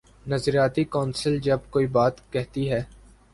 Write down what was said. نظریاتی کونسل جب کوئی بات کہتی ہے۔